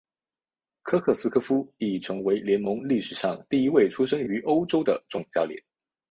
科克斯柯夫亦成为联盟历史上第一位出生于欧洲的总教练。